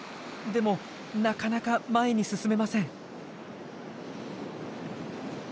でもなかなか前に進めません。